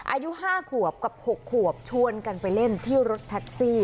อายุ๕ขวบกับ๖ขวบชวนกันไปเล่นที่รถแท็กซี่